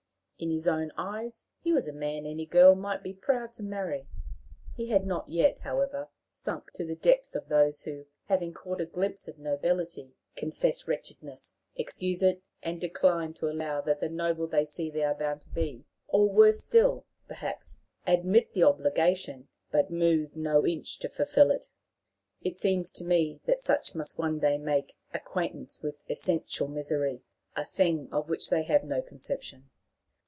In his own eyes he was a man any girl might be proud to marry. He had not yet, however, sunk to the depth of those who, having caught a glimpse of nobility, confess wretchedness, excuse it, and decline to allow that the noble they see they are bound to be; or, worse still, perhaps, admit the obligation, but move no inch to fulfill it. It seems to me that such must one day make acquaintance with essential misery a thing of which they have no conception.